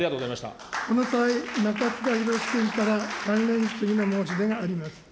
この際、中司宏君から関連質疑の申し出があります。